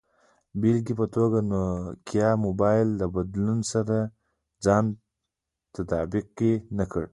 د بېلګې په توګه، نوکیا موبایل له بدلون سره ځان تطابق کې نه کړ.